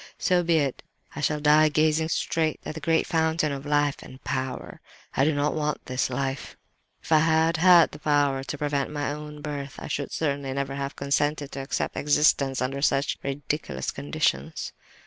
So be it. I shall die gazing straight at the great Fountain of life and power; I do not want this life! "If I had had the power to prevent my own birth I should certainly never have consented to accept existence under such ridiculous conditions.